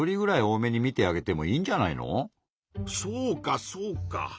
そうかそうか。